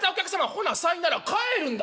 『ほなさいなら』帰るんだ。